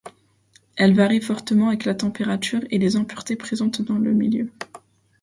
Elle varie fortement avec la température et les impuretés présentes dans le milieu.